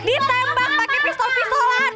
ditembak pakai pistol pistolan